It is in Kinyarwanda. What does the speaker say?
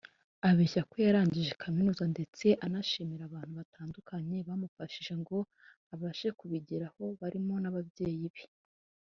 abeshya ko yarangije Kaminuza ndetse anashimira abantu batandukanye bamufashije ngo abashe kubigeraho barimo n’ababyeyi be